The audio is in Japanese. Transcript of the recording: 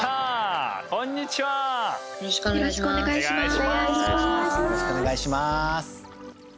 よろしくお願いします！